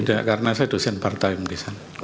tidak karena saya dosen part time di sana